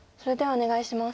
お願いします。